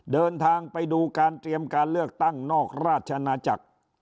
เดินทางไปดูการเตรียมการเลือกตั้งนอกราชนาจักร